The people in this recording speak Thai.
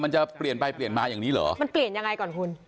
มันจะเปลี่ยนไปเปลี่ยนมาอย่างนี้เหรอมันเปลี่ยนยังไงก่อนคุณ